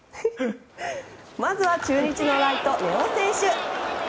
まずは、中日のライト根尾選手。